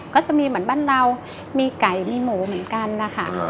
ก็จะมีเหมือนบ้านเรามีไก่มีหมูเหมือนกันนะคะ